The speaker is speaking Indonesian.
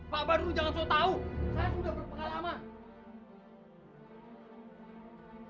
pak badurun jangan selalu tau saya sudah berpengalaman